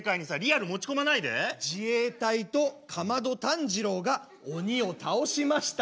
「自衛隊と竈門炭治郎が鬼を倒しましたとさ」。